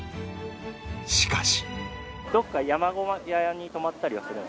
しかし